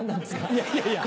いやいやいや。